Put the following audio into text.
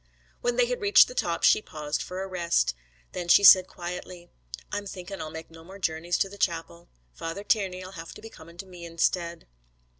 When they had reached the top she paused for a rest. Then she said quietly, 'I'm thinkin' I'll make no more journeys to the Chapel. Father Tiernay'll have to be coming to me instead.'